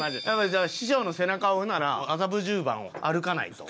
じゃあ師匠の背中を追うなら麻布十番を歩かないと。